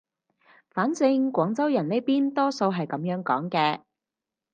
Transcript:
反正廣州人呢邊多數係噉樣講嘅